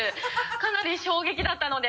かなり衝撃だったので。